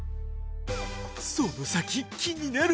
その先気になる！